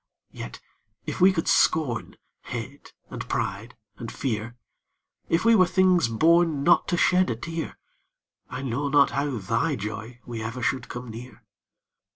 Yet, if we could scorn, Hate and pride, and fear; If we were things born Not to shed a tear, I know not how thy joy we ever should come near.